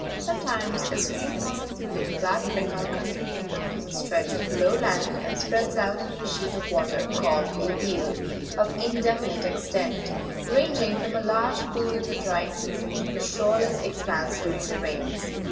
Sometimes a stream passing through the flat Bengal country encounters a stretch of low land and spreads out into a sheet of water, called a beel, of indefinite extent, ranging from a large pool in the dry season to a shoreless expanse during the rains.